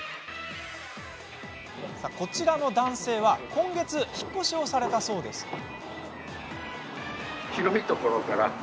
こちらの男性は今月引っ越しをされたそうです。